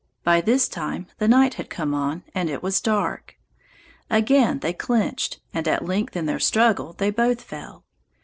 By this time the night had come on, and it was dark. Again they clenched and at length in their struggle they both fell.